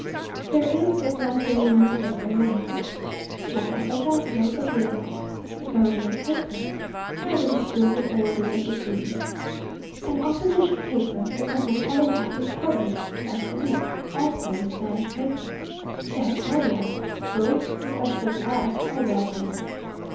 There is but one daily newspaper in Mexico, "La Gazeta del Gobierno" (the government paper), and it is filled with orders and decrees. An opposition paper, the "Cosmopolita," is published twice a week; also a Spanish paper, the "Hesperia;" both (especially the last) are well written.